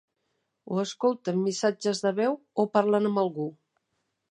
O escolten missatges de veu o parlen amb algú.